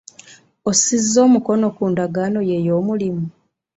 Osiza omukono ku ndagaano yo ey'omulimu?